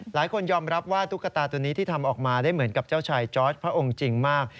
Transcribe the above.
หลายคนยอมรับว่าตุ๊กตาตัวนี้ที่ทำออกมาได้เหมือนกับเจ้าชายจอร์ดพระองค์จริงมาก